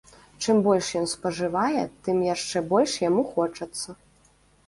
Чым больш ён спажывае, тым яшчэ больш яму хочацца.